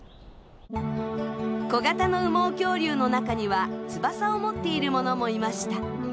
小型の羽毛恐竜の中には翼を持っているものもいました。